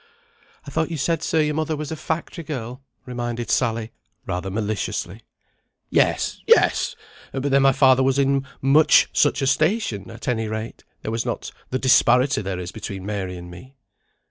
"I thought you said, sir, your mother was a factory girl," reminded Sally, rather maliciously. "Yes, yes! but then my father was in much such a station; at any rate, there was not the disparity there is between Mary and me."